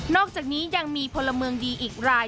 อกจากนี้ยังมีพลเมืองดีอีกราย